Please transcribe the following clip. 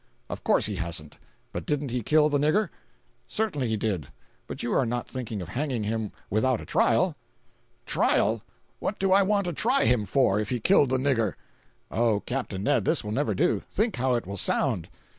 "Of course he hasn't. But didn't he kill the nigger?" "Certainly he did; but you are not thinking of hanging him without a trial?" "Trial! What do I want to try him for, if he killed the nigger?" "Oh, Capt. Ned, this will never do. Think how it will sound."